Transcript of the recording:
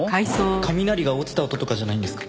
雷が落ちた音とかじゃないんですか？